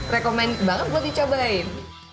rekomen banget buat dicobain